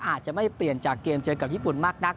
อาจจะไม่เปลี่ยนจากเกมเจอกับญี่ปุ่นมากนัก